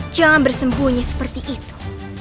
jangan bersembunyi seperti itu